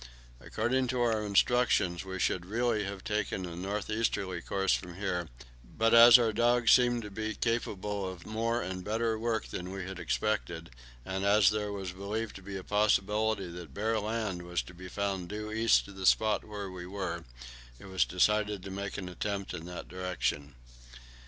According to our instructions we should really have taken a north easterly course from here; but as our dogs seemed to be capable of more and better work than we had expected, and as there was believed to be a possibility that bare land was to be found due east of the spot where we were, it was decided to make an attempt in that direction.